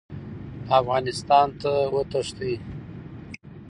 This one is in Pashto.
افغانستان ته وتښتي.